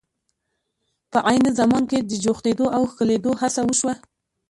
په عین زمان کې جوختېدو او ښکلېدو هڅه وشوه.